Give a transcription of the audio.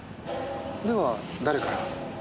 では誰から？